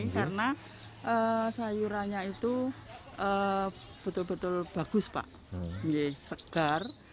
karena sayurannya itu betul betul bagus pak pilih segar